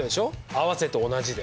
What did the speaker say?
合わせて同じで。